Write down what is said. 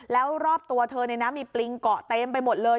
แล้วรอบตัวเธอมีปริงเกาะเต็มไปหมดเลย